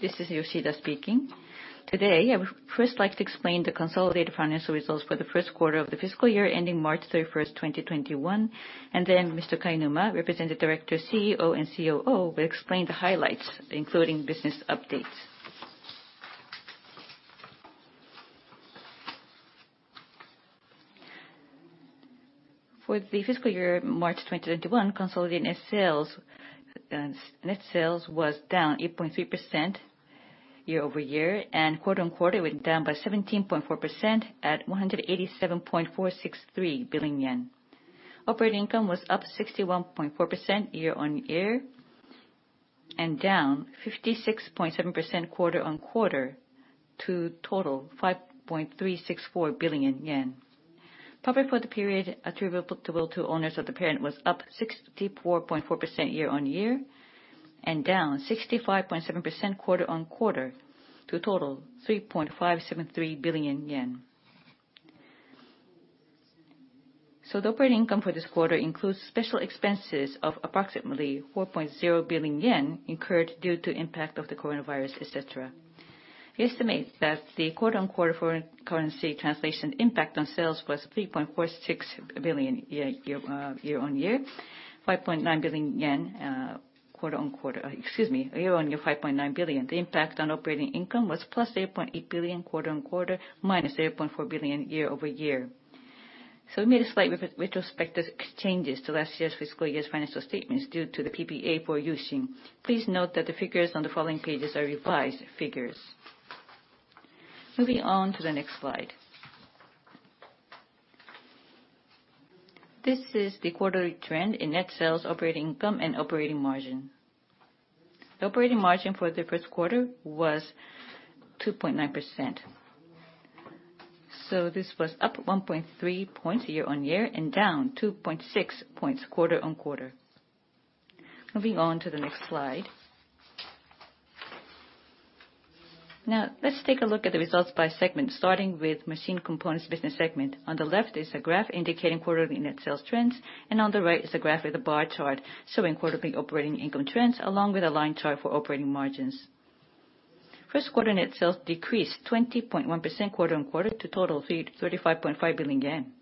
This is Yoshida speaking. Today, I would first like to explain the consolidated financial results for the first quarter of the fiscal year ending March 31st, 2021, and then Mr. Kainuma, Representative Director, CEO, and COO, will explain the highlights, including business updates. For the fiscal year March 2021, consolidated net sales was down 8.3% year-over-year, and quarter-on-quarter, it went down by 17.4% at 187.463 billion yen. Operating income was up 61.4% year-on-year, and down 56.7% quarter-on-quarter to a total 5.364 billion yen. Profit for the period attributable to owners of the parent was up 64.4% year-on-year and down 65.7% quarter-on-quarter to a total JPY 3.573 billion. The operating income for this quarter includes special expenses of approximately 4.0 billion yen incurred due to impact of the coronavirus, et cetera. We estimate that the quarter-on-quarter foreign currency translation impact on sales was 3.46 billion year-on-year, 5.9 billion yen quarter-on-quarter. Excuse me. Year-on-year, 5.9 billion. The impact on operating income was +8.8 billion quarter-on-quarter, -8.4 billion year-on-year. We made a slight retrospective changes to last year's fiscal year's financial statements due to the PPA for U-Shin. Please note that the figures on the following pages are revised figures. Moving on to the next slide. This is the quarterly trend in net sales, operating income, and operating margin. The operating margin for the first quarter was 2.9%. This was up 1.3 points year-on-year and down 2.6 points quarter-on-quarter. Moving on to the next slide. Let's take a look at the results by segment, starting with Machined Components business segment. On the left is a graph indicating quarterly net sales trends, and on the right is a graph with a bar chart showing quarterly operating income trends, along with a line chart for operating margins. First quarter net sales decreased 20.1% quarter-on-quarter to a total of JPY 35.5 billion.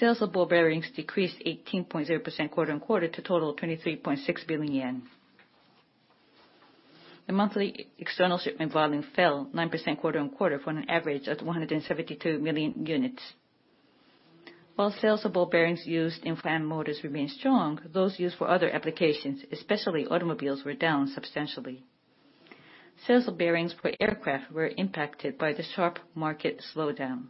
Sales of ball bearings decreased 18.0% quarter-on-quarter to a total of 23.6 billion yen. The monthly external shipment volume fell 9% quarter-on-quarter for an average of 172 million units. While sales of ball bearings used in fan motors remain strong, those used for other applications, especially automobiles, were down substantially. Sales of bearings for aircraft were impacted by the sharp market slowdown.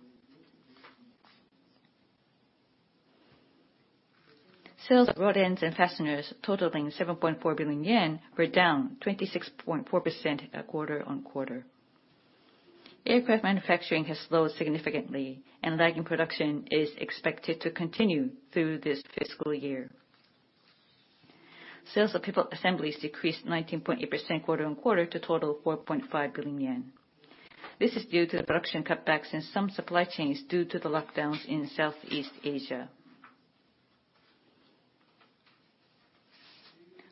Sales of rod ends and fasteners totaling 7.4 billion yen were down 26.4% quarter-on-quarter. Aircraft manufacturing has slowed significantly, lagging production is expected to continue through this fiscal year. Sales of pivot assemblies decreased 19.8% quarter-on-quarter to a total of 4.5 billion yen. This is due to the production cutbacks in some supply chains due to the lockdowns in Southeast Asia.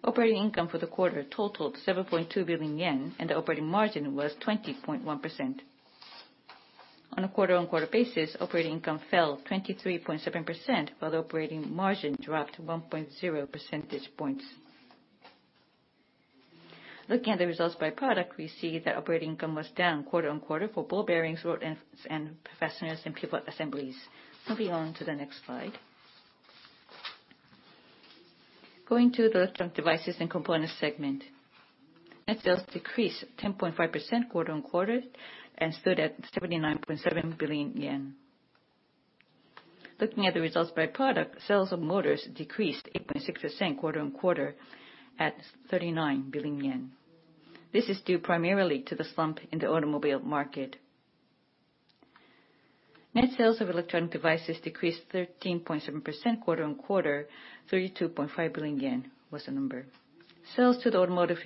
Operating income for the quarter totaled 7.2 billion yen, the operating margin was 20.1%. On a quarter-on-quarter basis, operating income fell 23.7%, while the operating margin dropped 1.0 percentage points. Looking at the results by product, we see that operating income was down quarter-on-quarter for ball bearings, rod ends and fasteners, and pivot assemblies. Moving on to the next slide. Going to the Electronic Devices and Components segment. Net sales decreased 10.5% quarter-on-quarter and stood at 79.7 billion yen. Looking at the results by product, sales of motors decreased 8.6% quarter-on-quarter at 39 billion yen. This is due primarily to the slump in the automobile market. Net sales of electronic devices decreased 13.7% quarter on quarter. 32.5 billion yen was the number. Sales to the automotive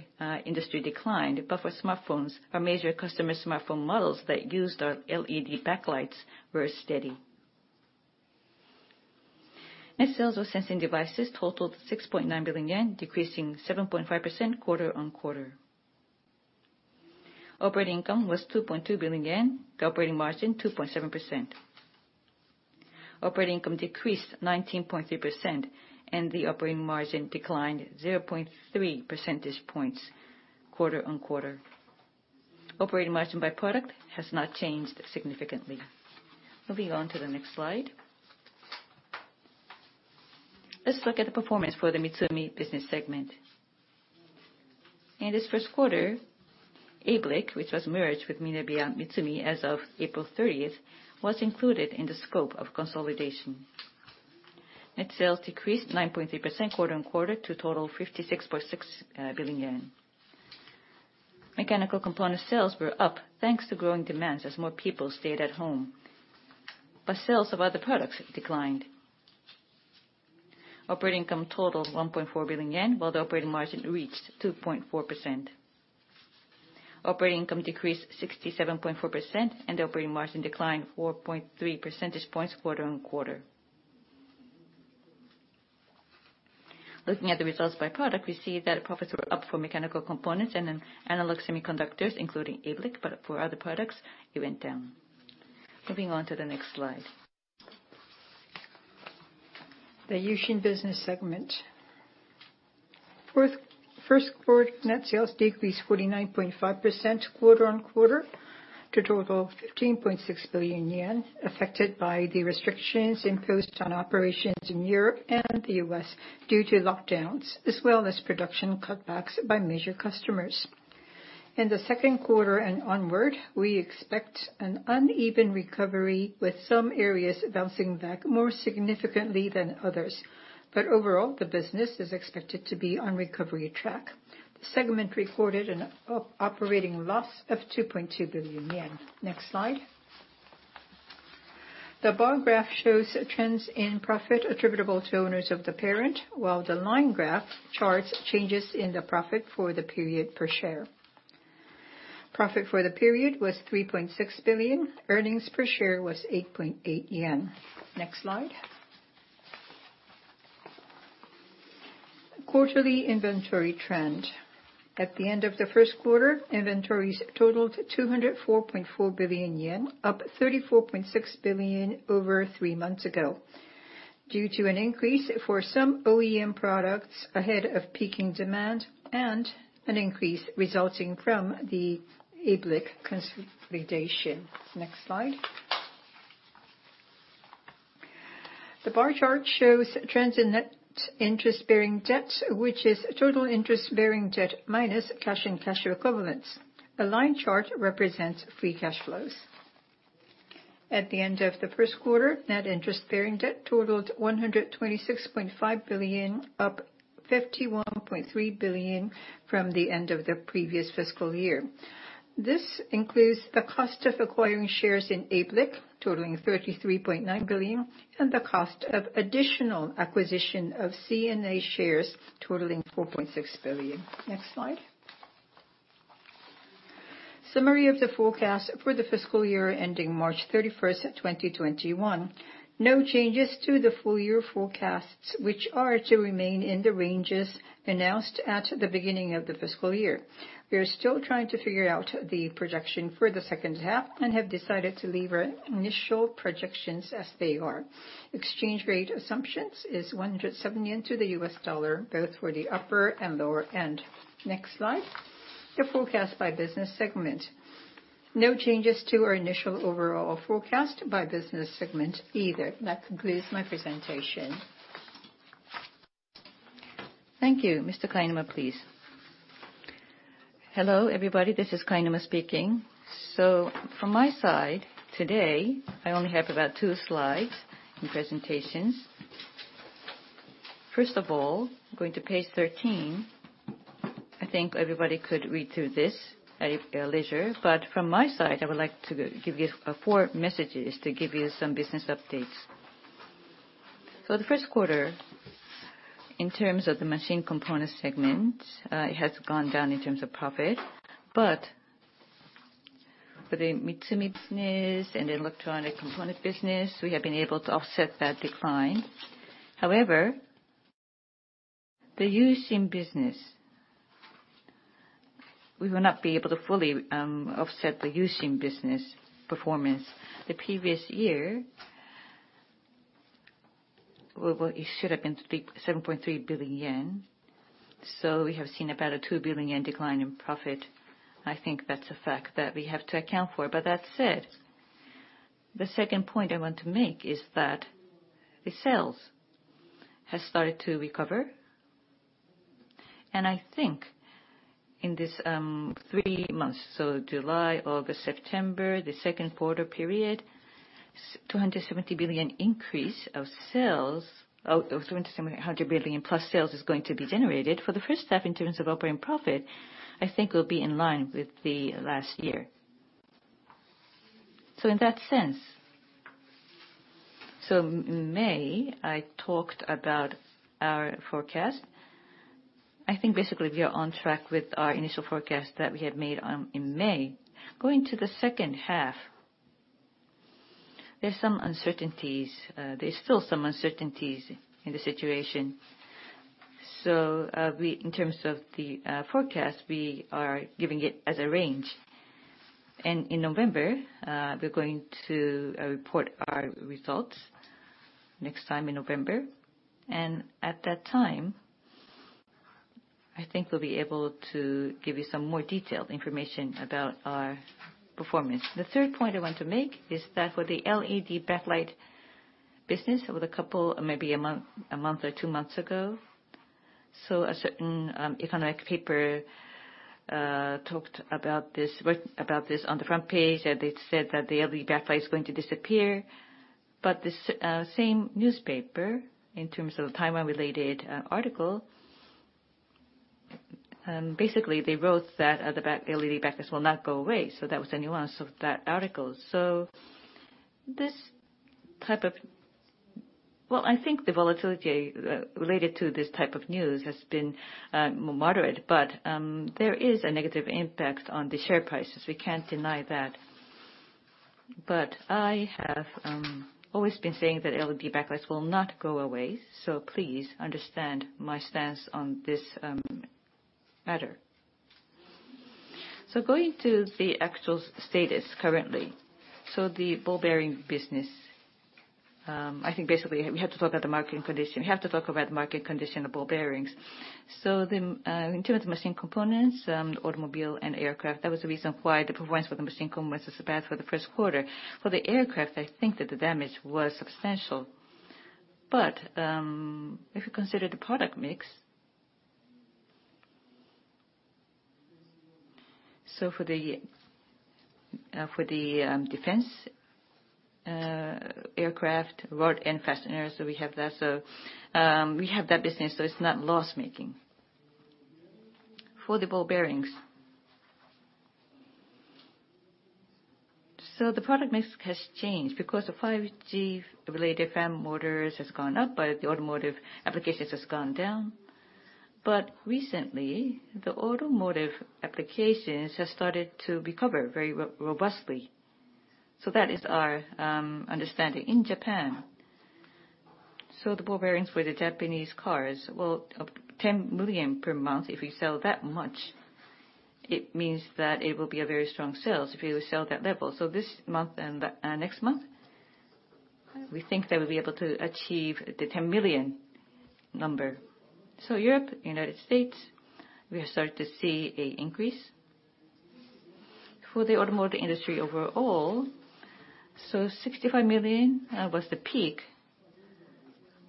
industry declined, but for smartphones, our major customer smartphone models that used our LED backlights were steady. Net sales of Sensing Devices totaled 6.9 billion yen, decreasing 7.5% quarter on quarter. Operating income was 2.2 billion yen, the operating margin 2.7%. Operating income decreased 19.3%, and the operating margin declined 0.3 percentage points quarter on quarter. Operating margin by product has not changed significantly. Moving on to the next slide. Let's look at the performance for the MITSUMI business segment. In this first quarter, ABLIC, which was merged with MINEBEA MITSUMI as of April 30th, was included in the scope of consolidation. Net sales decreased 9.3% quarter on quarter to a total of 56.6 billion yen. mechanical component sales were up thanks to growing demands as more people stayed at home. Sales of other products declined. Operating income totaled 1.4 billion yen, while the operating margin reached 2.4%. Operating income decreased 67.4%. Operating margin declined 4.3 percentage points quarter-over-quarter. Looking at the results by product, we see that profits were up for Mechanical Components and in analog semiconductors, including ABLIC, but for other products, it went down. Moving on to the next slide. The U-Shin Business Segment. First quarter net sales decreased 49.5% quarter-over-quarter to total 15.6 billion yen, affected by the restrictions imposed on operations in Europe and the U.S. due to lockdowns, as well as production cutbacks by major customers. In the second quarter and onward, we expect an uneven recovery, with some areas bouncing back more significantly than others. Overall, the business is expected to be on recovery track. The segment reported an operating loss of 2.2 billion yen. Next slide. The bar graph shows trends in profit attributable to owners of the parent, while the line graph charts changes in the profit for the period per share. Profit for the period was 3.6 billion. Earnings per share was 8.8 yen. Next slide. Quarterly inventory trend. At the end of the first quarter, inventories totaled 204.4 billion yen, up 34.6 billion over three months ago, due to an increase for some OEM products ahead of peaking demand and an increase resulting from the ABLIC consolidation. Next slide. The bar chart shows trends in net interest-bearing debt, which is total interest-bearing debt minus cash and cash equivalents. The line chart represents free cash flows. At the end of the first quarter, net interest-bearing debt totaled 126.5 billion, up 51.3 billion from the end of the previous fiscal year. This includes the cost of acquiring shares in ABLIC totaling JPY 33.9 billion and the cost of additional acquisition of C&A shares totaling JPY 4.6 billion. Next slide. Summary of the forecast for the fiscal year ending March 31st, 2021. No changes to the full-year forecasts, which are to remain in the ranges announced at the beginning of the fiscal year. We are still trying to figure out the projection for the second half and have decided to leave our initial projections as they are. Exchange rate assumptions is 107 yen to the USD, both for the upper and lower end. Next slide. The forecast by business segment. No changes to our initial overall forecast by business segment either. That concludes my presentation. Thank you. Mr. Kainuma, please. Hello, everybody. This is Kainuma speaking. From my side, today, I only have about two slides in presentations. First of all, going to page 13, I think everybody could read through this at your leisure. From my side, I would like to give you four messages to give you some business updates. The first quarter, in terms of the Machined Components segment, it has gone down in terms of profit. For the Mitsumi business and Electronic Devices and Components business, we have been able to offset that decline. However, the U-Shin business, we will not be able to fully offset the U-Shin business performance. The previous year, it should have been 7.3 billion yen. We have seen about a 2 billion yen decline in profit. I think that's a fact that we have to account for. That said, the second point I want to make is that the sales have started to recover. I think in this three months, so July, August, September, the second quarter period, 270 billion increase of sales, or 270, 100 billion in plus sales is going to be generated. For the first half in terms of operating profit, I think we'll be in line with the last year. In that sense, in May, I talked about our forecast. I think basically we are on track with our initial forecast that we had made in May. Going to the second half, there's some uncertainties. There's still some uncertainties in the situation. In terms of the forecast, we are giving it as a range. In November, we're going to report our results next time in November. At that time, I think we'll be able to give you some more detailed information about our performance. The third point I want to make is that for the LED backlight business with a couple, maybe a month or two months ago. A certain economic paper talked about this on the front page, and it said that the LED backlight is going to disappear. The same newspaper, in terms of the timeline-related article, basically they wrote that the LED backlights will not go away. That was the nuance of that article. This type of, I think the volatility related to this type of news has been more moderate, but there is a negative impact on the share prices. We can't deny that. I have always been saying that LED backlights will not go away. Please understand my stance on this matter. Going to the actual status currently. The ball bearing business, I think basically we have to talk about the market condition. We have to talk about the market condition of ball bearings. In terms of Machined Components, automobile and aircraft, that was the reason why the performance for the Machined Components was bad for the first quarter. For the aircraft, I think that the damage was substantial. If you consider the product mix, so for the defense aircraft, rod, and fastener. We have that business, so it's not loss-making. For the ball bearings. The product mix has changed because the 5G-related fan motors has gone up, but the automotive applications has gone down. Recently, the automotive applications have started to recover very robustly. That is our understanding in Japan. The ball bearings for the Japanese cars, well, 10 million per month, if we sell that much, it means that it will be a very strong sales, if we will sell that level. This month and next month, we think that we will be able to achieve the 10 million number. Europe, United States, we have started to see an increase. For the automotive industry overall, so 65 million was the peak.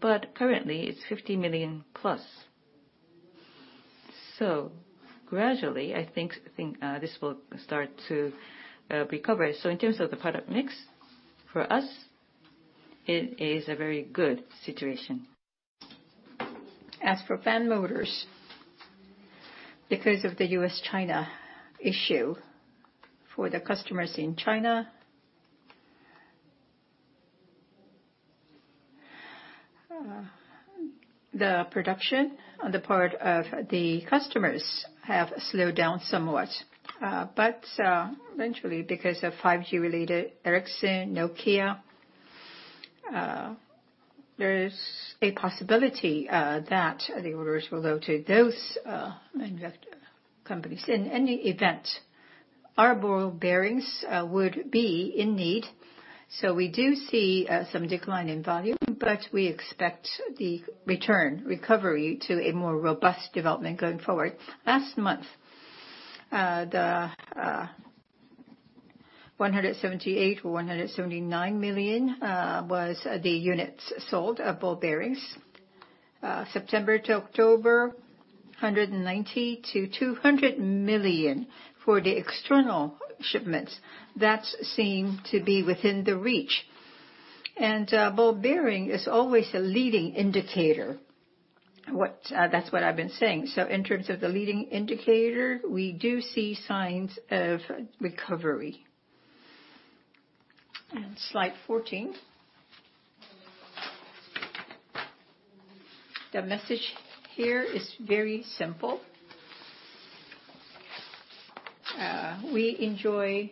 Currently, it's 50 million plus. Gradually, I think this will start to recover. In terms of the product mix, for us, it is a very good situation. As for fan motors, because of the US-China issue, for the customers in China, the production on the part of the customers have slowed down somewhat. Eventually, because of 5G-related, Ericsson, Nokia, there is a possibility that the orders will go to those manufacturing companies. In any event, our ball bearings would be in need. We do see some decline in volume, but we expect the return, recovery, to a more robust development going forward. Last month, the 178 or 179 million was the units sold of ball bearings. September to October, 190 million-200 million for the external shipments. That seem to be within the reach. Ball bearing is always a leading indicator. That's what I've been saying. In terms of the leading indicator, we do see signs of recovery. Slide 14. The message here is very simple. We enjoy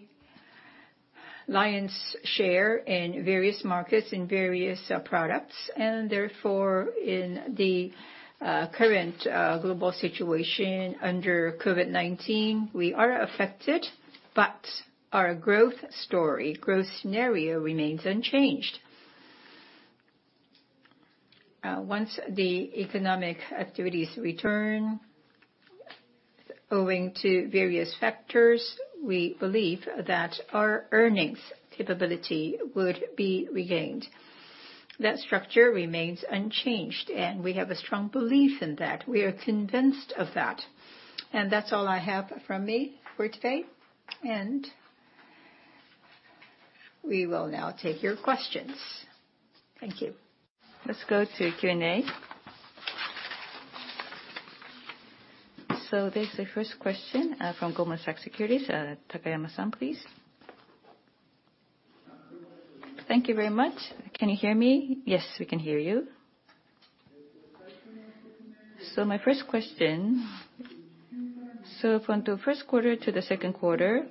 lion's share in various markets, in various products, and therefore, in the current global situation under COVID-19, we are affected, but our growth story, growth scenario remains unchanged. Once the economic activities return, owing to various factors, we believe that our earnings capability would be regained. That structure remains unchanged, and we have a strong belief in that. We are convinced of that. That's all I have from me for today, and we will now take your questions. Thank you. Let's go to Q&A. There's the first question from Goldman Sachs, Takayama, please. Thank you very much. Can you hear me? Yes, we can hear you. My first question. From the first quarter to the second quarter,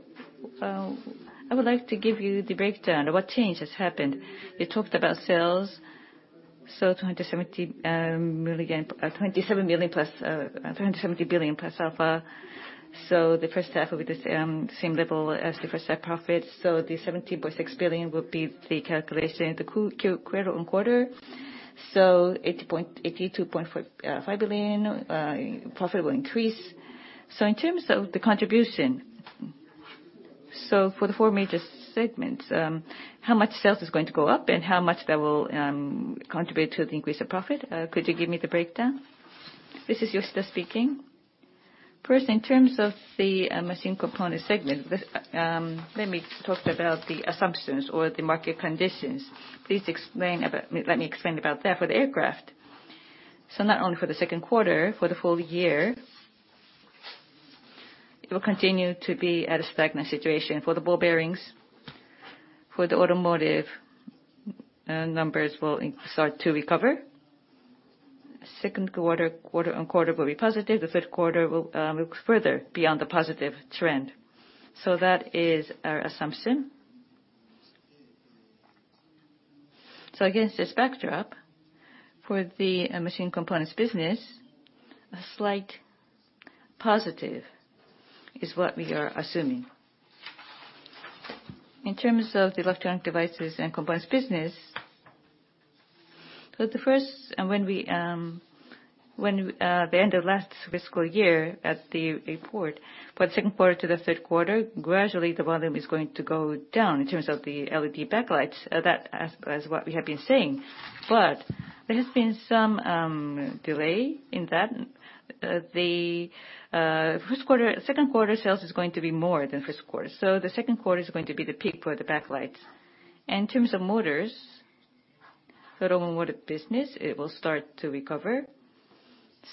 I would like to give you the breakdown of what change has happened. You talked about sales, so 270 billion plus alpha. The first half will be the same level as the first half profit. The 17.6 billion would be the calculation. The quarter-on-quarter, so 82.5 billion profit will increase. In terms of the contribution, for the four major segments, how much sales is going to go up and how much that will contribute to the increase of profit? Could you give me the breakdown? This is Yoshida speaking. First, in terms of the Machined Components segment, let me talk about the assumptions or the market conditions. Let me explain about that for the aircraft. Not only for the second quarter, for the full year, it will continue to be at a stagnant situation. For the ball bearings, for the automotive, numbers will start to recover. Second quarter on quarter will be positive. The third quarter will look further beyond the positive trend. That is our assumption. Against this backdrop, for the Machined Components business, a slight positive is what we are assuming. In terms of the Electronic Devices and Components business, for the first and the end of last fiscal year at the report. For the second quarter to the third quarter, gradually the volume is going to go down in terms of the LED backlights. There has been some delay in that. The second quarter sales is going to be more than first quarter. The second quarter is going to be the peak for the backlights. In terms of motors, the automotive business, it will start to recover.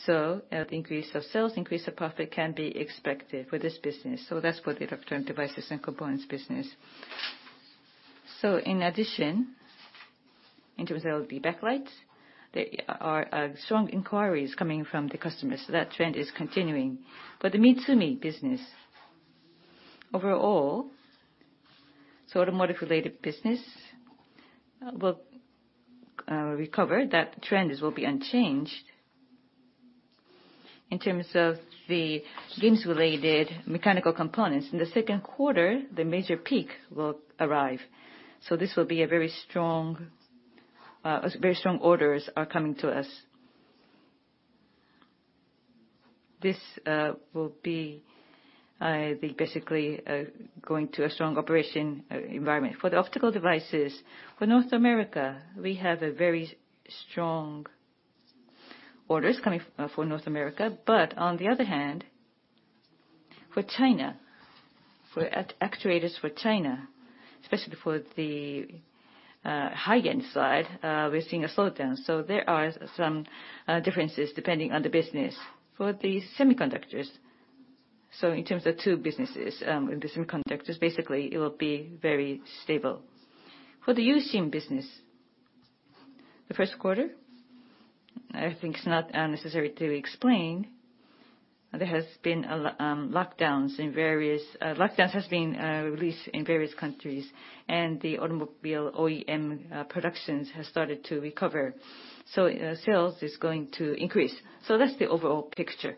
The increase of sales, increase of profit can be expected for this business. That's for the Electronic Devices and Components business. In addition, in terms of LED backlights, there are strong inquiries coming from the customers. That trend is continuing. For the MITSUMI business, overall, automotive related business will recover. That trend will be unchanged. In terms of the games related mechanical components, in the second quarter, the major peak will arrive. This will be very strong orders are coming to us. This will be basically going to a strong operation environment. For the optical devices, for North America, we have very strong orders coming for North America. On the other hand, for China, for actuators for China, especially for the high-end side, we're seeing a slowdown. There are some differences depending on the business. For the semiconductors, in terms of two businesses, the semiconductors, basically it will be very stable. For the U-Shin business, the first quarter, I think it's not necessary to explain. There has been lockdowns in various countries, and the automobile OEM productions have started to recover. Sales is going to increase. That's the overall picture.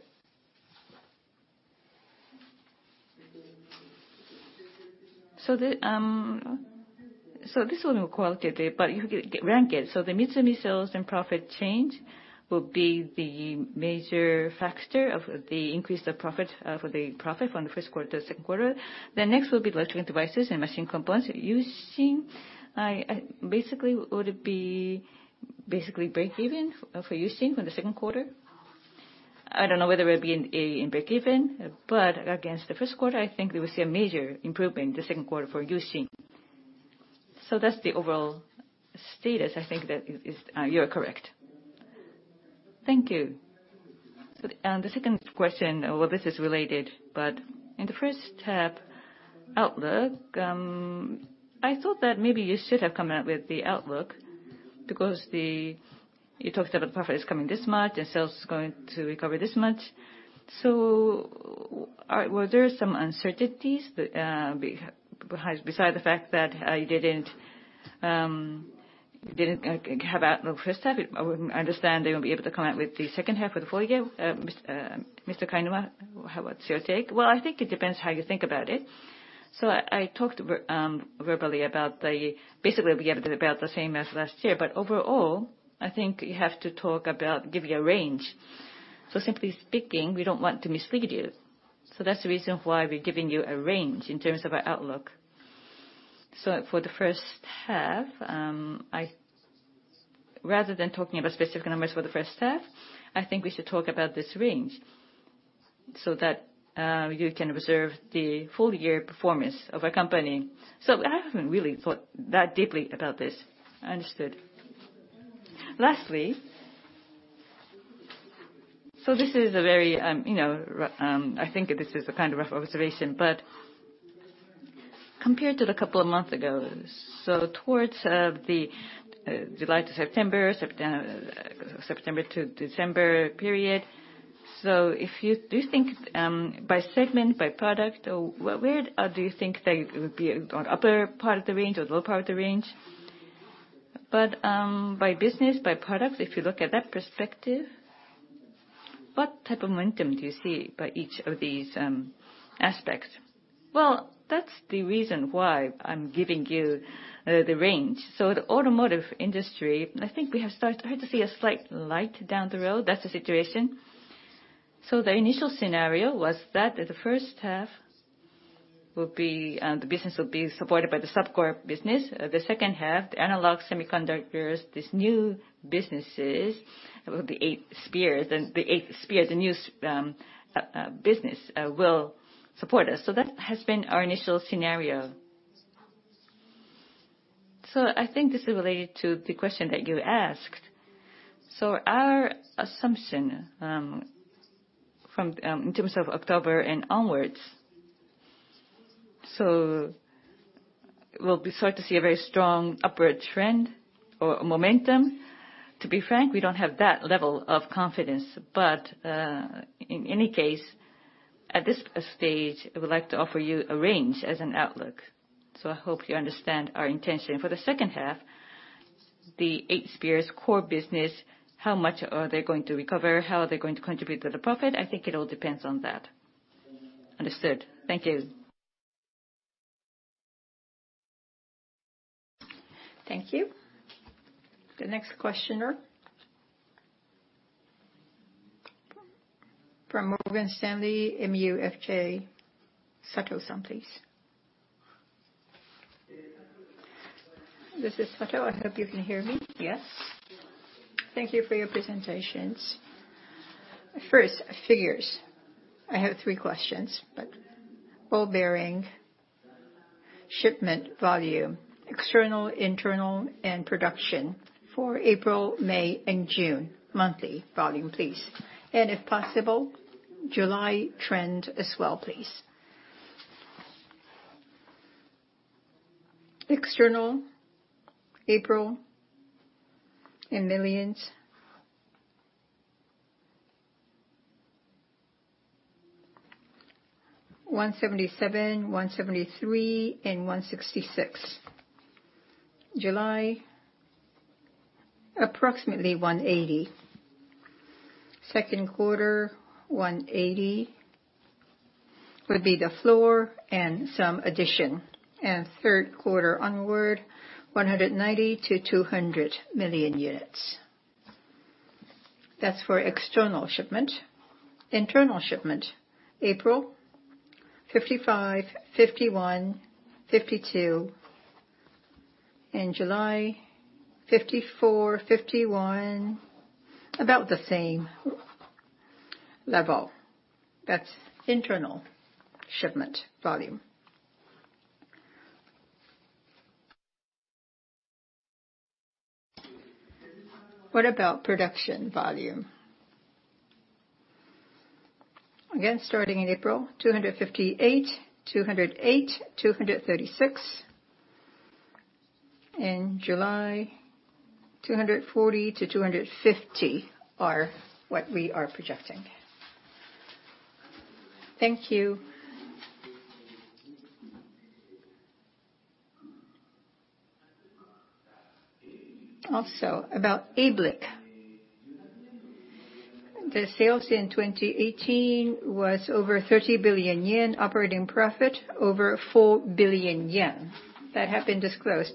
This is only qualitatively, but you can rank it. The MITSUMI sales and profit change will be the major factor of the increase of profit from the first quarter to the second quarter. Next will be Electronic Devices and Components and Machined Components. U-Shin, basically would be breakeven for U-Shin from the second quarter. I don't know whether we'll be in breakeven, but against the first quarter, I think we will see a major improvement in the second quarter for U-Shin. That's the overall status. I think that you are correct. Thank you. The second question, well, this is related, but in the first half outlook, I thought that maybe you should have come out with the outlook because you talked about profit is coming this much, and sales is going to recover this much. Were there some uncertainties beside the fact that you didn't have outlook first half? I understand they won't be able to come out with the second half for the full year. Mr. Kainuma, what's your take? I think it depends how you think about it. I talked verbally about the, basically, we have about the same as last year, but overall, I think you have to talk about giving a range. Simply speaking, we don't want to mislead you. That's the reason why we're giving you a range in terms of our outlook. For the first half, rather than talking about specific numbers for the first half, I think we should talk about this range, so that you can observe the full year performance of our company. I haven't really thought that deeply about this. Understood. Lastly, I think this is a rough observation, but compared to the couple of months ago, towards the July to September to December period, do you think by segment, by product, where do you think they would be, on upper part of the range or lower part of the range? By business, by product, if you look at that perspective, what type of momentum do you see by each of these aspects? That's the reason why I'm giving you the range. The automotive industry, I think we have started to see a slight light down the road. That's the situation. The initial scenario was that the first half, the business will be supported by the sub-core businesses. The second half, the analog semiconductors, these new businesses, the 8 spears, the new business will support us. That has been our initial scenario. I think this is related to the question that you asked. Our assumption, in terms of October and onwards, so we'll be start to see a very strong upward trend or momentum. To be frank, we don't have that level of confidence. In any case, at this stage, I would like to offer you a range as an outlook. I hope you understand our intention. For the second half, the 8 spears core business, how much are they going to recover? How are they going to contribute to the profit? I think it all depends on that. Understood. Thank you. Thank you. The next questioner from Morgan Stanley, MUFG, Sato, please. This is Sato. I hope you can hear me. Yes. Thank you for your presentations. First, figures. I have three questions. Ball bearing shipment volume, external, internal, and production for April, May, and June. Monthly volume, please. If possible, July trend as well, please. External April, in millions. 177, 173 and 166. July, approximately 180. Second quarter, 180 would be the floor and some addition. Third quarter onward, 190-200 million units. That's for external shipment. Internal shipment, April, 55, 51, 52. In July, 54, 51. About the same level. That's internal shipment volume. What about production volume? Again, starting in April, 258, 208, 236. In July, 240-250 are what we are projecting. Thank you. Also, about ABLIC. The sales in 2018 was over 30 billion yen, operating profit over 4 billion yen. That have been disclosed.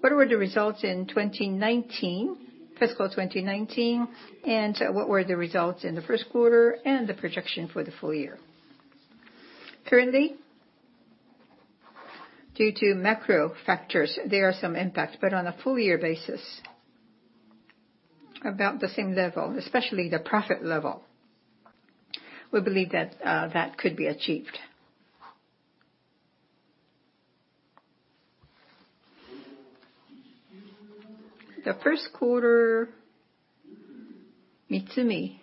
What were the results in 2019, fiscal 2019? What were the results in the first quarter and the projection for the full year? Currently, due to macro factors, there are some impact, but on a full year basis, about the same level, especially the profit level. We believe that that could be achieved. The first quarter, Mitsumi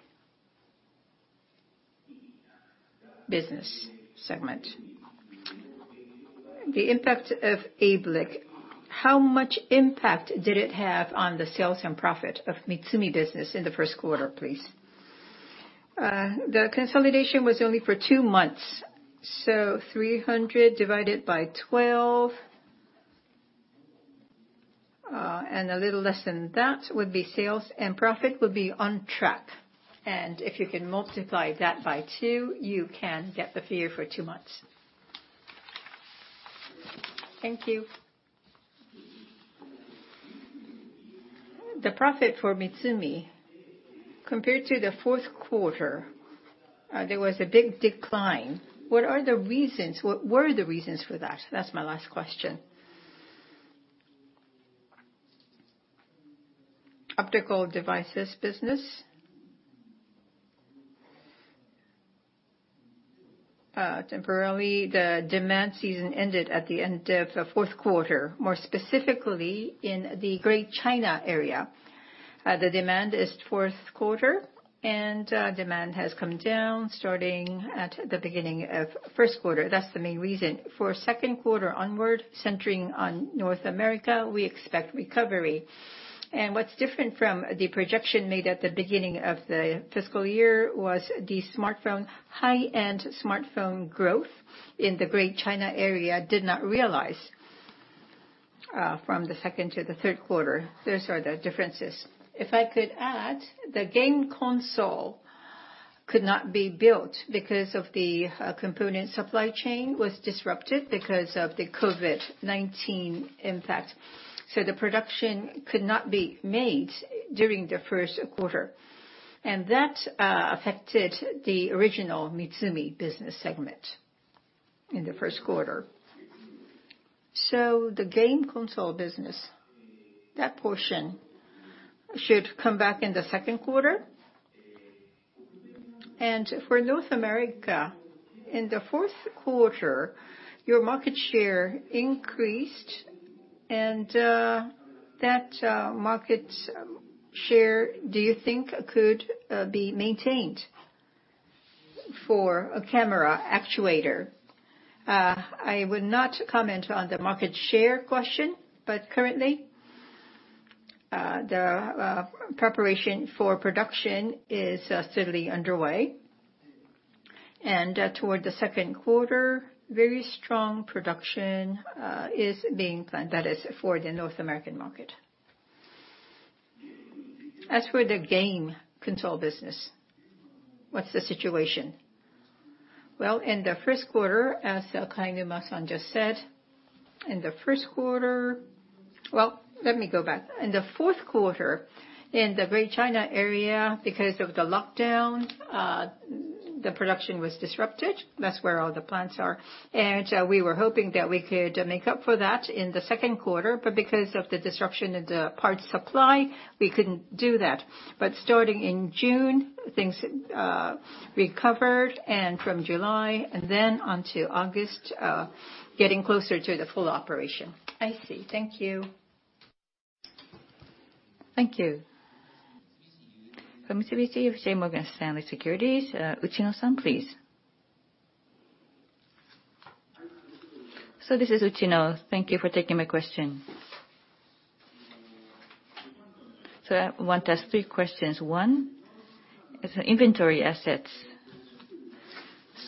business segment. The impact of ABLIC, how much impact did it have on the sales and profit of Mitsumi business in the first quarter, please? The consolidation was only for two months, so 300 divided by 12, and a little less than that would be sales, and profit would be on track. If you can multiply that by two, you can get the figure for two months. Thank you. The profit for Mitsumi, compared to the fourth quarter, there was a big decline. What are the reasons? What were the reasons for that? That's my last question. optical devices business. Temporarily, the demand season ended at the end of the fourth quarter. More specifically, in the Greater China area. The demand is fourth quarter, and demand has come down starting at the beginning of first quarter. That's the main reason. For second quarter onward, centering on North America, we expect recovery. What's different from the projection made at the beginning of the fiscal year was the high-end smartphone growth in the Greater China area did not realize, from the second to the third quarter. Those are the differences. If I could add, the game console could not be built because of the component supply chain was disrupted because of the COVID-19 impact. The production could not be made during the first quarter. That affected the original Mitsumi business segment in the first quarter. The game console business, that portion should come back in the second quarter. For North America, in the fourth quarter, your market share increased, and that market share, do you think could be maintained for a camera actuator? I would not comment on the market share question, but currently, the preparation for production is steadily underway. Toward the second quarter, very strong production is being planned. That is for the North American market. For the game console business, what's the situation? In the first quarter, as Kainuma-san just said, in the first quarter. Let me go back. In the fourth quarter, in the Greater China area, because of the lockdown, the production was disrupted. That's where all the plants are. We were hoping that we could make up for that in the second quarter, but because of the disruption in the parts supply, we couldn't do that. Starting in June, things recovered. From July and then onto August, getting closer to the full operation. I see. Thank you. Thank you. From UBS, J. Morgan, Stanley Securities, Uchino-san, please. This is Uchino. Thank you for taking my question. I want to ask three questions. One is on inventory assets.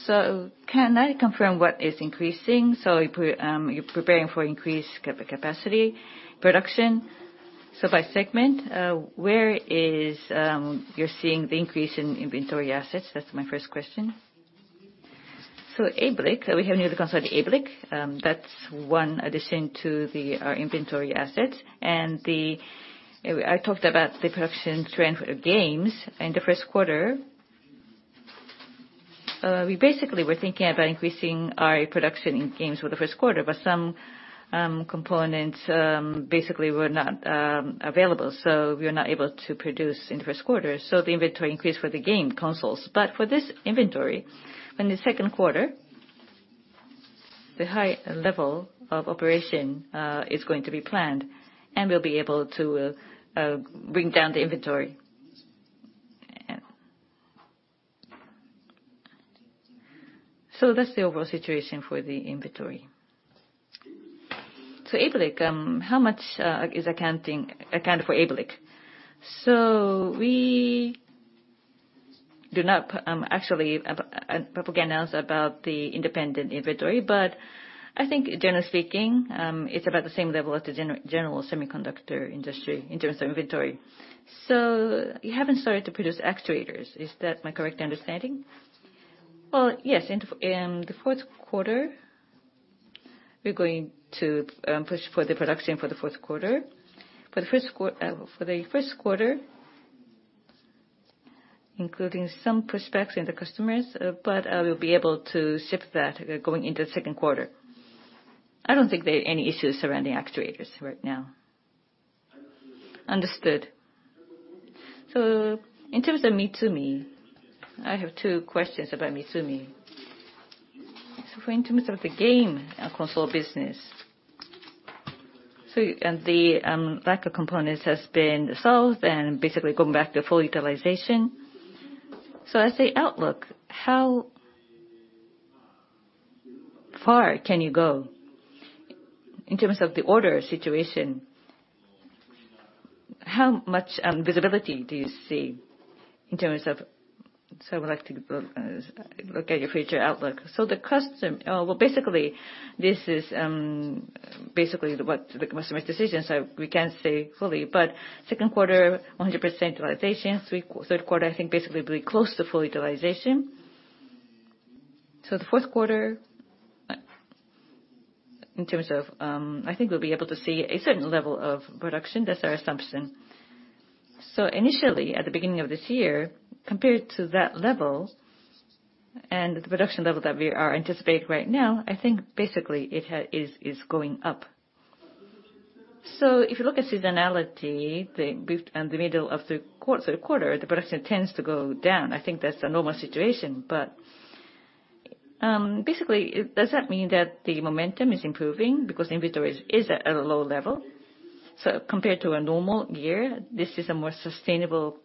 Can I confirm what is increasing? You're preparing for increased capacity production. By segment, where is you're seeing the increase in inventory assets? That's my first question. ABLIC, we have newly considered ABLIC. That's one addition to our inventory assets. I talked about the production trend for games in the first quarter. We basically were thinking about increasing our production in games for the first quarter, but some components basically were not available, so we were not able to produce in the first quarter. The inventory increased for the game consoles. For this inventory, in the second quarter, the high level of operation is going to be planned, and we'll be able to bring down the inventory. That's the overall situation for the inventory. ABLIC, how much is accounted for ABLIC? We do not actually propagate anything about the independent inventory, but I think generally speaking, it's about the same level as the general semiconductor industry in terms of inventory. You haven't started to produce actuators. Is that my correct understanding? Well, yes. In the fourth quarter, we're going to push for the production for the fourth quarter. For the first quarter, including some pushbacks in the customers, but we'll be able to ship that going into the second quarter. I don't think there are any issues surrounding actuators right now. Understood. In terms of Mitsumi, I have two questions about Mitsumi. In terms of the game console business, the lack of components has been solved and basically going back to full utilization. As the outlook, how far can you go in terms of the order situation? How much visibility do you see in terms of I would like to look at your future outlook. Well, basically, this is what the customer's decision, so we can't say fully, but second quarter, 100% utilization. Third quarter, I think basically be close to full utilization. The fourth quarter, in terms of, I think we'll be able to see a certain level of production. That's our assumption. Initially, at the beginning of this year, compared to that level and the production level that we are anticipating right now, I think basically it is going up. If you look at seasonality, the middle of the quarter, the production tends to go down. I think that's a normal situation. Basically, does that mean that the momentum is improving because inventory is at a low level? Compared to a normal year, this is a more sustainable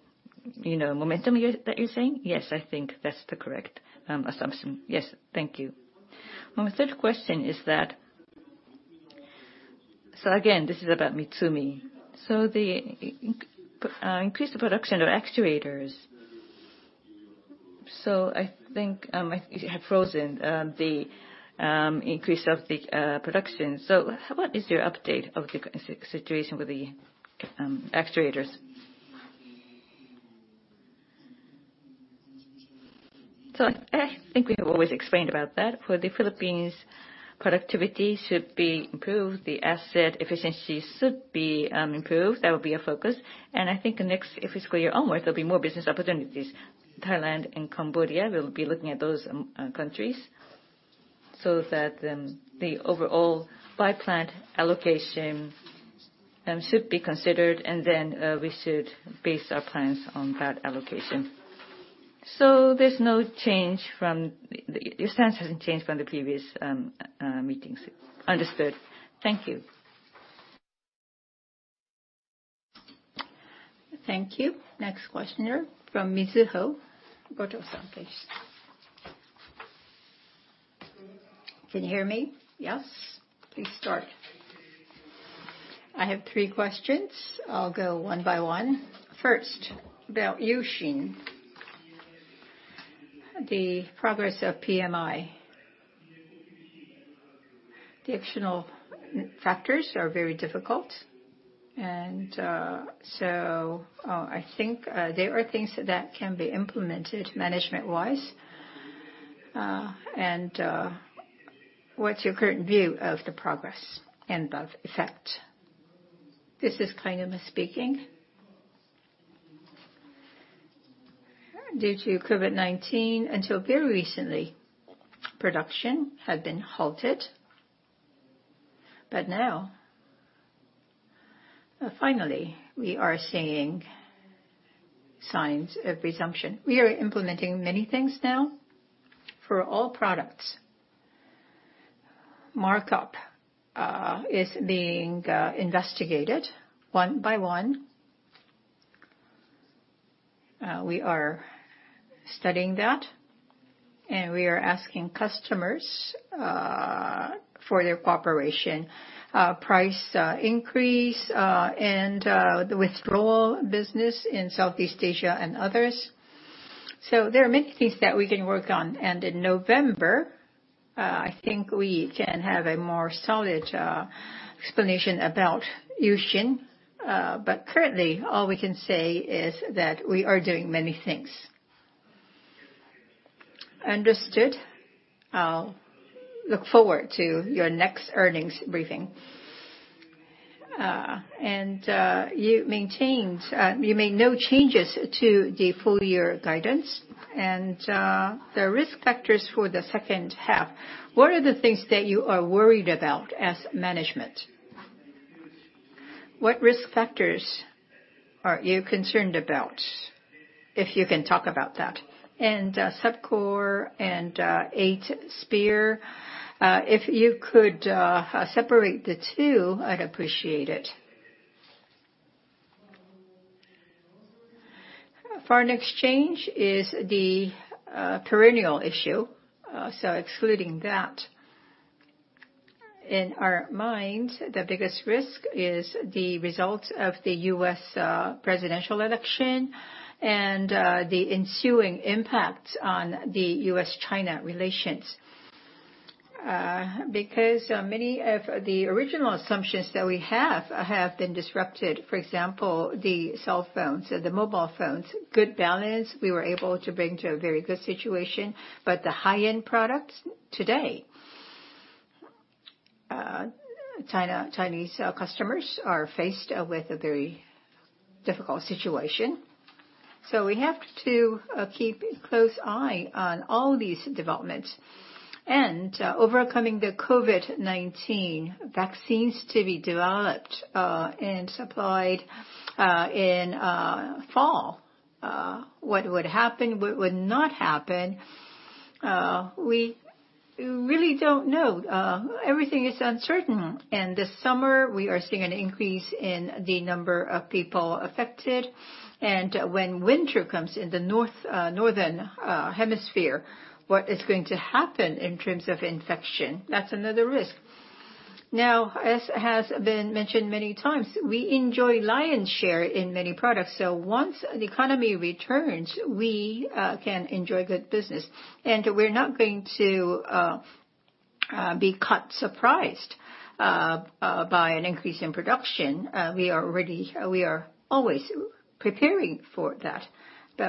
momentum that you're saying? Yes, I think that's the correct assumption. Yes. Thank you. My third question is that, again, this is about Mitsumi. The increased production of actuators. I think it had frozen, the increase of the production. What is your update of the current situation with the actuators? I think we have always explained about that. For the Philippines, productivity should be improved, the asset efficiency should be improved. That would be a focus. I think the next fiscal year onward, there'll be more business opportunities. Thailand and Cambodia, we'll be looking at those countries. That the overall by plant allocation should be considered, and then we should base our plans on that allocation. There's no change from Your stance hasn't changed from the previous meetings. Understood. Thank you. Thank you. Next questioner, from Mizuho. Goto-san, please. Can you hear me? Yes. Please start. I have three questions. I'll go one by one. First, about U-Shin, the progress of PMI. The external factors are very difficult, I think there are things that can be implemented management-wise. What's your current view of the progress and of effect? This is Kainuma speaking. Due to COVID-19, until very recently, production had been halted. Now, finally, we are seeing signs of resumption. We are implementing many things now for all products. Markup is being investigated one by one. We are studying that, and we are asking customers for their cooperation. Price increase, and the withdrawal business in Southeast Asia and others. There are many things that we can work on. In November, I think we can have a more solid explanation about U-Shin. Currently, all we can say is that we are doing many things. Understood. I'll look forward to your next earnings briefing. You made no changes to the full-year guidance and the risk factors for the second half. What are the things that you are worried about as management? What risk factors are you concerned about? If you can talk about that. Subcor and Eight Spear, if you could separate the two, I'd appreciate it. Foreign exchange is the perennial issue, so excluding that. In our mind, the biggest risk is the result of the US presidential election and the ensuing impact on the US-China relations. Many of the original assumptions that we have been disrupted. For example, the cell phones, the mobile phones. Good balance, we were able to bring to a very good situation. The high-end products today, Chinese customers are faced with a very difficult situation. We have to keep a close eye on all these developments. Overcoming the COVID-19 vaccines to be developed and supplied in fall. What would happen, what would not happen, we really don't know. Everything is uncertain. This summer, we are seeing an increase in the number of people affected, and when winter comes in the Northern Hemisphere, what is going to happen in terms of infection, that's another risk. As has been mentioned many times, we enjoy lion's share in many products. Once the economy returns, we can enjoy good business. We're not going to be caught surprised by an increase in production. We are always preparing for that.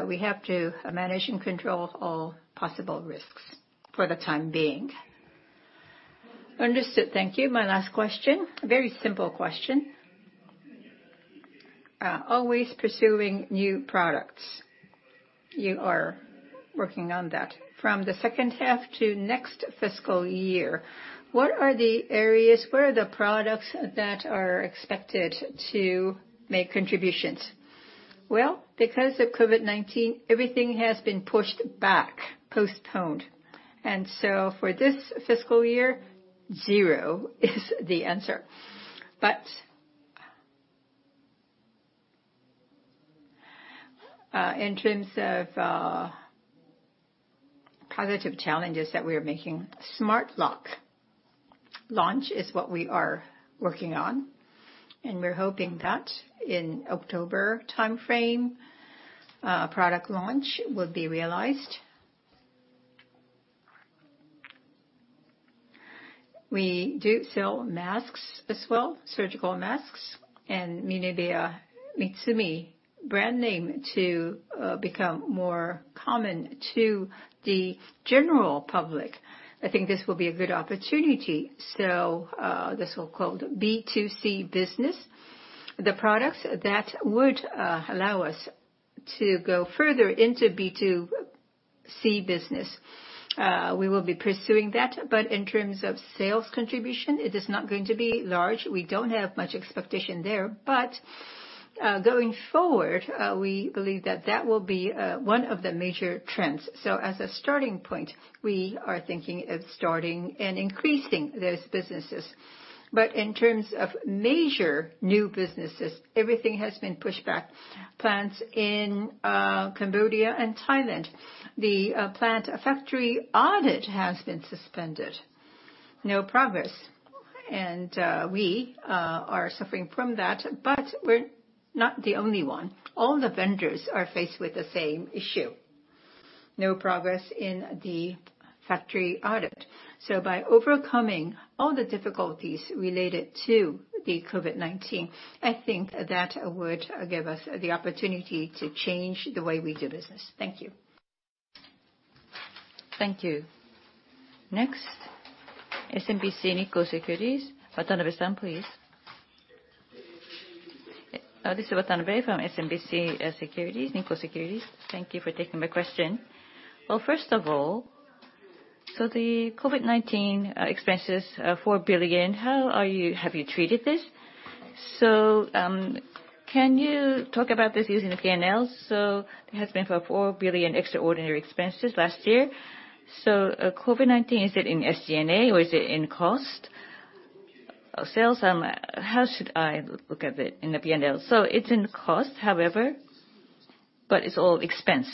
We have to manage and control all possible risks for the time being. Understood. Thank you. My last question, a very simple question. Always pursuing new products, you are working on that. From the second half to next fiscal year, what are the areas, where are the products that are expected to make contributions? Because of COVID-19, everything has been pushed back, postponed. For this fiscal year, 0 is the answer. In terms of positive challenges that we are making, smart lock launch is what we are working on, and we're hoping that in October timeframe, product launch will be realized. We do sell masks as well, surgical masks. MINEBEA MITSUMI brand name to become more common to the general public, I think this will be a good opportunity. This so-called B2C business, the products that would allow us to go further into B2C business, we will be pursuing that. In terms of sales contribution, it is not going to be large. We don't have much expectation there. Going forward, we believe that that will be one of the major trends. As a starting point, we are thinking of starting and increasing those businesses. In terms of major new businesses, everything has been pushed back. Plants in Cambodia and Thailand, the plant factory audit has been suspended. No progress. We are suffering from that, but we're not the only one. All the vendors are faced with the same issue. No progress in the factory audit. By overcoming all the difficulties related to the COVID-19, I think that would give us the opportunity to change the way we do business. Thank you. Thank you. Next, SMBC Nikko Securities, Watanabe-san, please. This is Watanabe from SMBC Nikko Securities. Thank you for taking my question. First of all, the COVID-19 expenses, 4 billion, how have you treated this? Can you talk about this using the P&L? It has been for 4 billion extraordinary expenses last year. COVID-19, is it in SG&A or is it in cost? Sales. How should I look at it in the P&L? It's in cost, however, but it's all expense.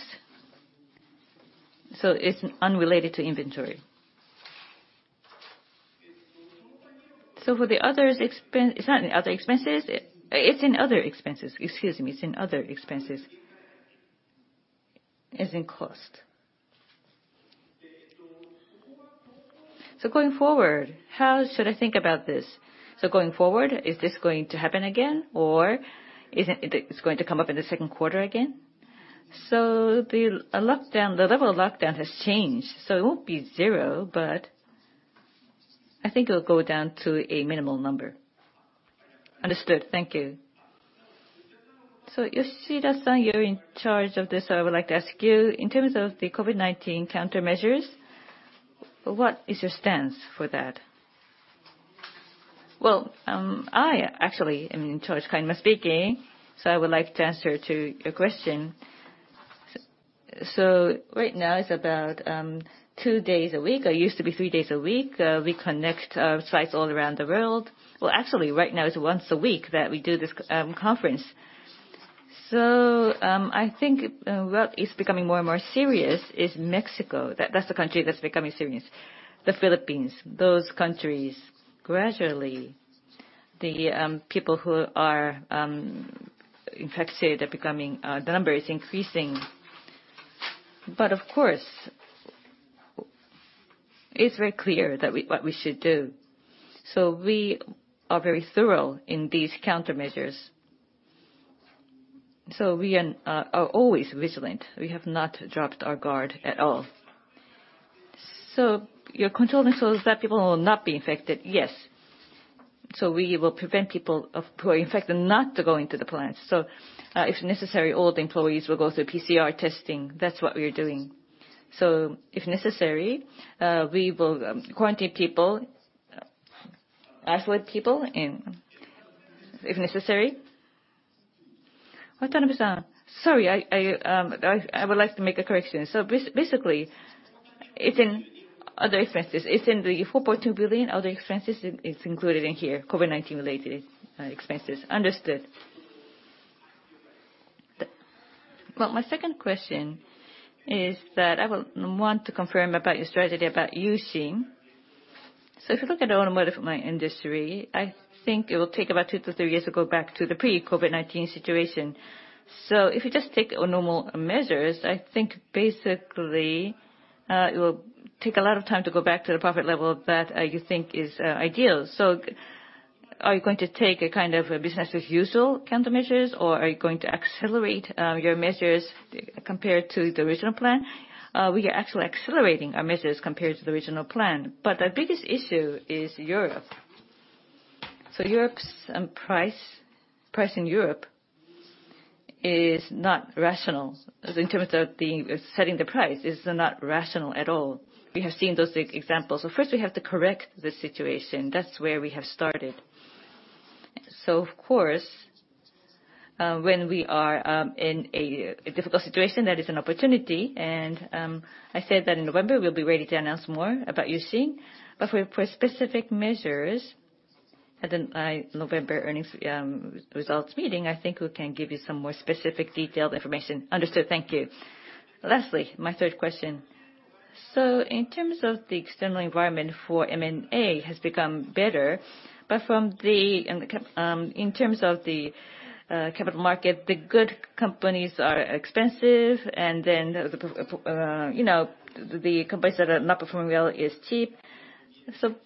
It's unrelated to inventory. It's not in other expenses? It's in other expenses. Excuse me. It's in other expenses. It's in cost. Going forward, how should I think about this? Going forward, is this going to happen again, or is it going to come up in the second quarter again? The level of lockdown has changed, so it won't be zero, but I think it'll go down to a minimal number. Understood. Thank you. Yoshida-san, you're in charge of this, so I would like to ask you. In terms of the COVID-19 countermeasures, what is your stance for that? Well, I actually am in charge, kindly speaking. I would like to answer to your question. Right now, it's about 2 days a week, or it used to be 3 days a week. We connect sites all around the world. Well, actually right now, it's once a week that we do this conference. I think what is becoming more and more serious is Mexico. That's the country that's becoming serious. The Philippines. Those countries gradually, the people who are infected, the number is increasing. Of course, it's very clear what we should do. We are very thorough in these countermeasures. We are always vigilant. We have not dropped our guard at all. Your control method is that people will not be infected. Yes. We will prevent people who are infected not to go into the plant. If necessary, all the employees will go through PCR testing. That's what we are doing. If necessary, we will quarantine people, isolate people, and if necessary Watanabe-san. Sorry, I would like to make a correction. Basically, it's in other expenses. It's in the 4.2 billion other expenses is included in here, COVID-19 related expenses. Understood. Well, my second question is that I want to confirm about your strategy about using. If you look at the automotive industry, I think it will take about two to three years to go back to the pre-COVID-19 situation. If you just take normal measures, I think basically, it will take a lot of time to go back to the profit level that you think is ideal. Are you going to take a business as usual countermeasures, or are you going to accelerate your measures compared to the original plan? We are actually accelerating our measures compared to the original plan. The biggest issue is Europe. Price in Europe is not rational. In terms of setting the price, is not rational at all. We have seen those examples. First, we have to correct the situation. That's where we have started. Of course, when we are in a difficult situation, that is an opportunity, and I said that in November, we'll be ready to announce more about using. For specific measures at the November earnings results meeting, I think we can give you some more specific detailed information. Understood. Thank you. Lastly, my third question. In terms of the external environment for M&A has become better. In terms of the capital market, the good companies are expensive, and then the companies that are not performing well are cheap.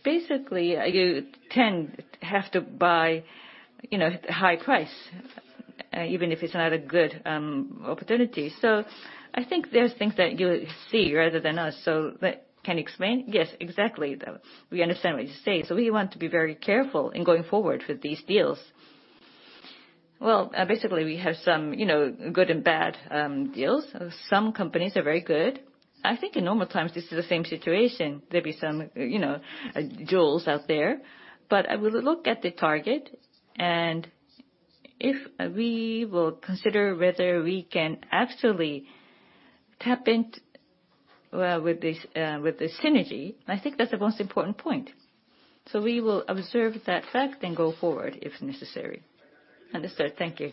Basically, you have to buy at a high price, even if it's not a good opportunity. I think there's things that you see rather than us, so can you explain? Yes, exactly. We understand what you say. We want to be very careful in going forward with these deals. Basically, we have some good and bad deals. Some companies are very good. I think in normal times, this is the same situation. There'll be some jewels out there. We look at the target, and if we will consider whether we can actually tap in with the synergy, I think that's the most important point. We will observe that fact and go forward if necessary. Understood. Thank you.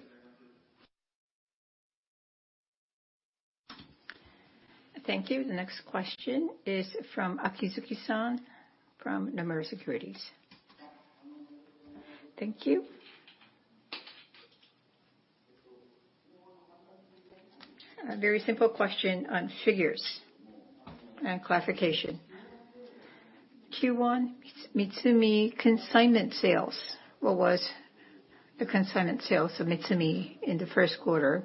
Thank you. The next question is from Akizuki-san from Nomura Securities. Thank you. A very simple question on figures and clarification. Mitsumi consignment sales. What was the consignment sales of Mitsumi in the first quarter?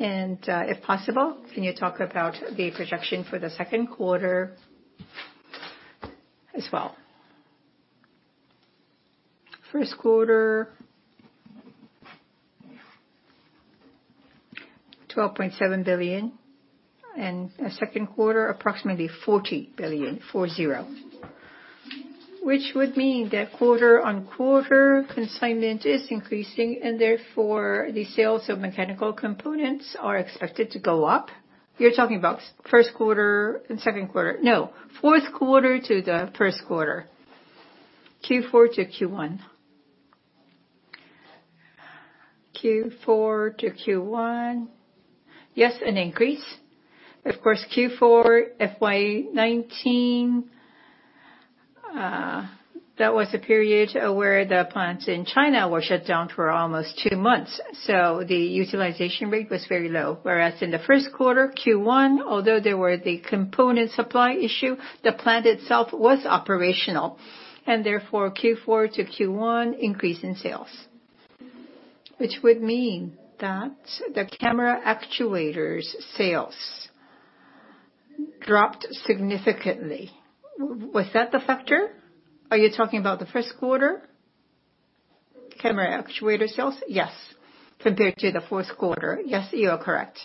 If possible, can you talk about the projection for the second quarter as well? First quarter, 12.7 billion, and second quarter, approximately 40 billion, 4-0. Which would mean that quarter-on-quarter, consignment is increasing and therefore the sales of mechanical components are expected to go up. You're talking about first quarter and second quarter? No. Fourth quarter to the first quarter. Q4 to Q1. Q4 to Q1. Yes, an increase. Of course, Q4 FY 2019, that was the period where the plants in China were shut down for almost two months. The utilization rate was very low. Whereas in the first quarter, Q1, although there were the component supply issue, the plant itself was operational. Therefore, Q4 to Q1 increase in sales. Which would mean that the camera actuators sales dropped significantly. Was that the factor? Are you talking about the first quarter? Camera actuator sales? Yes. Compared to the fourth quarter? Yes, you are correct.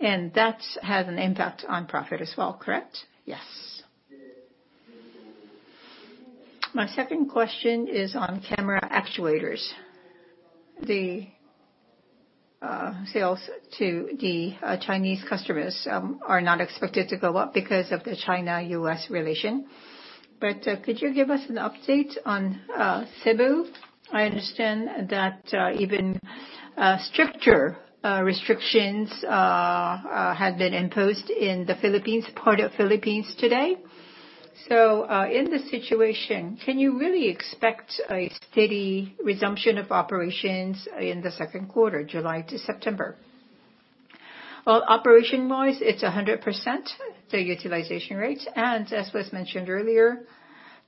That had an impact on profit as well, correct? Yes. My second question is on camera actuators. The sales to the Chinese customers are not expected to go up because of the China-US relation. Could you give us an update on Cebu? I understand that even stricter restrictions had been imposed in the Philippines, part of Philippines today. In this situation, can you really expect a steady resumption of operations in the second quarter, July to September? Well, operation-wise, it's 100%, the utilization rates, and as was mentioned earlier,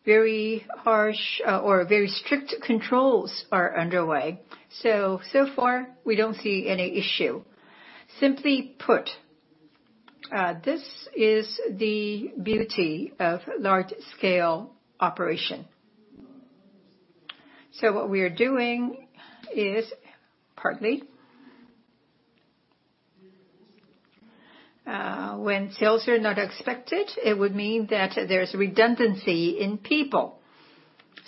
very harsh or very strict controls are underway. So far we don't see any issue. Simply put, this is the beauty of large-scale operation. What we are doing is, partly, when sales are not expected, it would mean that there's redundancy in people,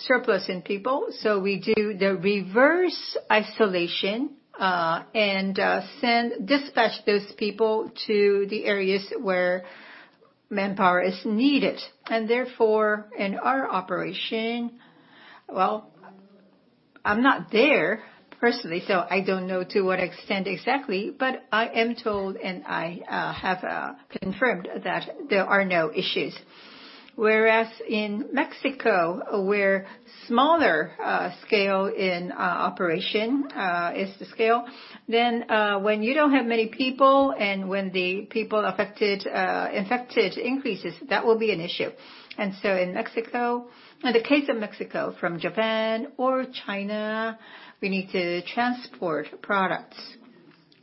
surplus in people, we do the reverse isolation, and dispatch those people to the areas where manpower is needed. Therefore, in our operation Well, I'm not there personally, so I don't know to what extent exactly, but I am told, and I have confirmed that there are no issues. In Mexico, where smaller scale in operation is the scale, then when you don't have many people, and when the people infected increases, that will be an issue. In the case of Mexico, from Japan or China, we need to transport products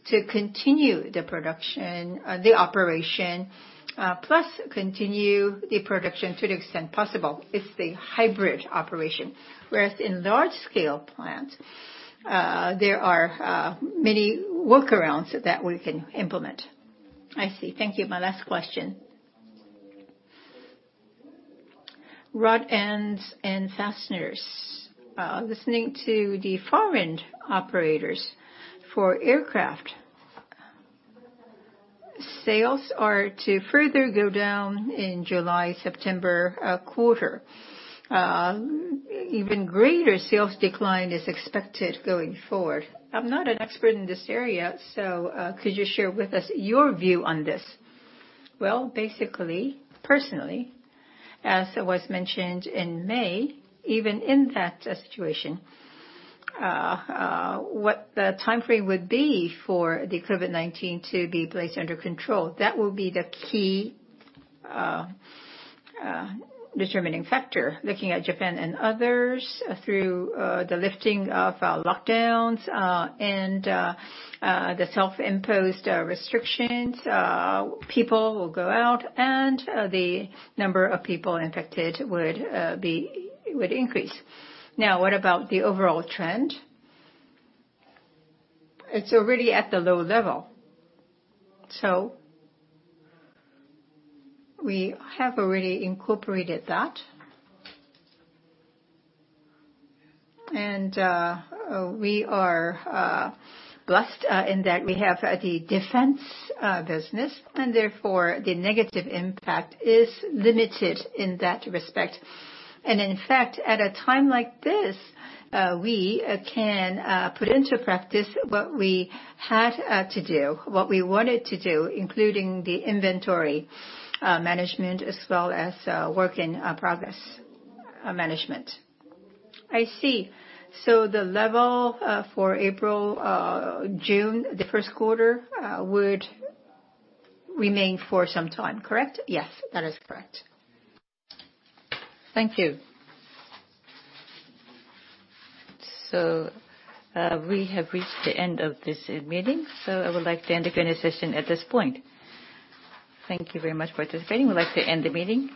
to continue the operation, plus continue the production to the extent possible. It's the hybrid operation. In large-scale plants, there are many workarounds that we can implement. I see. Thank you. My last question. Rod ends and fasteners. Listening to the foreign operators for aircraft, sales are to further go down in July-September quarter. Even greater sales decline is expected going forward. I'm not an expert in this area, so could you share with us your view on this? Well, basically, personally, as was mentioned in May, even in that situation, what the timeframe would be for the COVID-19 to be placed under control, that will be the key determining factor. Looking at Japan and others, through the lifting of lockdowns, and the self-imposed restrictions, people will go out, and the number of people infected would increase. Now, what about the overall trend? It's already at the low level. We have already incorporated that. We are blessed in that we have the defense business, and therefore the negative impact is limited in that respect. In fact, at a time like this, we can put into practice what we had to do, what we wanted to do, including the inventory management as well as work-in-progress management. I see. The level for April, June, the first quarter, would remain for some time, correct? Yes. That is correct. Thank you. We have reached the end of this meeting, so I would like to end the Q&A session at this point. Thank you very much for participating. We would like to end the meeting.